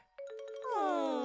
うん。